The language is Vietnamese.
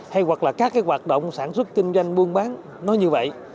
hay hoặc là các cái hoạt động sản xuất kinh doanh buôn bán nó như vậy